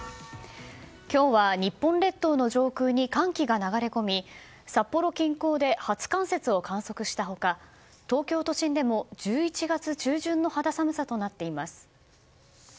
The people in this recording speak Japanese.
今日は、日本列島の上空に寒気が流れ込み札幌近郊で初冠雪を観測した他東京都心でも１１月中旬の肌寒さとなっています。